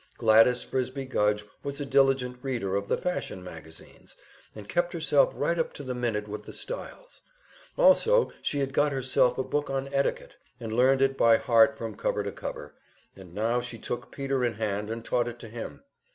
Gladys Frisbie Gudge was a diligent reader of the fashion magazines, and kept herself right up to the minute with the styles; also she had got herself a book on etiquette, and learned it by heart from cover to cover, and now she took Peter in hand and taught it to him.